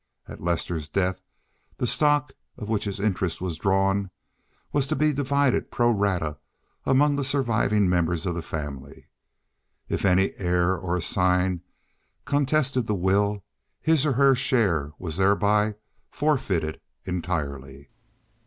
At Lester's death the stock on which his interest was drawn was to be divided pro rata among the surviving members of the family. If any heir or assign contested the will, his or her share was thereby forfeited entirely.